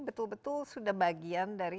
butuh harga romensi